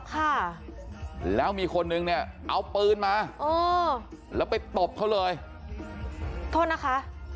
ค่ะแล้วมีคนนึงเนี่ยเอาปืนมาโอ้แล้วไปตบเขาเลยโทษนะคะ